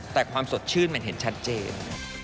แต่ความสดชื่นมันเห็นชัดเจน